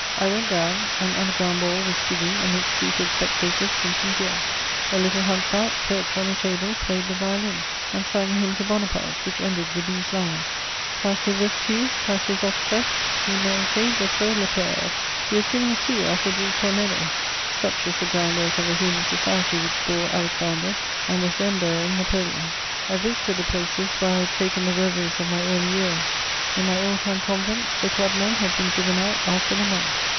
I went down: an underground ball was jigging amidst seated spectators drinking beer. A little hunchback, perched on a table, played the violin and sang a hymn to Bonaparte, which ended with these lines: Par ses vertus, par ses attraits. Il méritait d'être leur père! He was given a sou after the ritornello. Such is the ground work of the human society which bore Alexander and was then bearing Napoleon. [Sidenote: Changes in Paris.] I visited the places where I had taken the reveries of my early years. In my old time convents, the club men had been driven out after the monks.